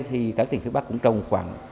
thì các tỉnh phía bắc cũng trồng khoảng